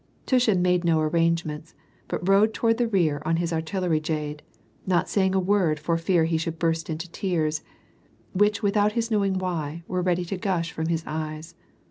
Tushin made no arrangements, but rode toward the rear on his artillery jade, not saying a word for fear he should burst into tears, which without his knowing why, were ready to gush from his eyes.